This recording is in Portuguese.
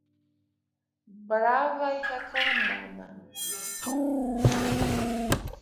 Brava e reclamona